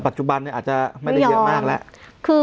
จุบันอาจจะไม่ได้เยอะมากแล้ว